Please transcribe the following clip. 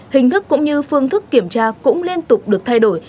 hình thức cũng như phương thức kiểm tra cũng liên tục được thay đổi